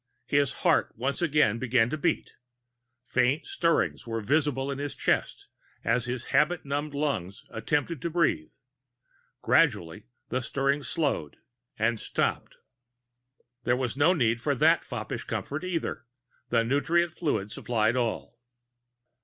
His heart once again began to beat. Faint stirrings were visible in his chest as his habit numbed lungs attempted to breathe. Gradually the stirrings slowed and stopped. There was no need for that foppish comfort, either; the nutrient fluid supplied all.